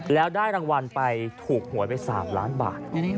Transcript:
แล้วได้รางวัลไปถูกหวยไป๓ล้านบาท